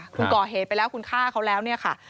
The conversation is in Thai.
คุณก่อเหตุไปแล้วคุณฆ่าเขาแล้วเนี่ยค่ะ